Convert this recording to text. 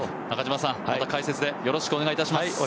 中嶋さん、また解説でよろしくお願いいたします。